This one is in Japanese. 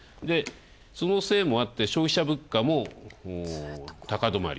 そのせいもあって消費者物価も高止まり。